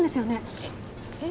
えっ。